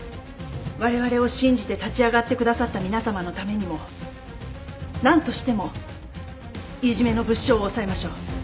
われわれを信じて立ち上がってくださった皆さまのためにも何としてもいじめの物証を押さえましょう。